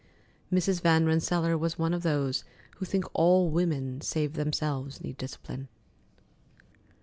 Mrs. Van Rensselaer was one of those who think all women save themselves need discipline.